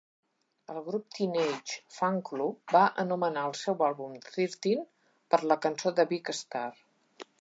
El grup Teenage Fanclub va anomenar el seu àlbum "Thirteen" per la cançó de Big Star.